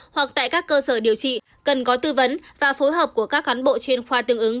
hoặc tại các cơ sở điều trị cần có tư vấn và phối hợp của các cán bộ chuyên khoa tương ứng